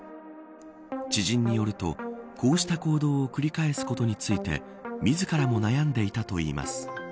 知人によると、こうした行動を繰り返すことについて自らも悩んでいたといいます。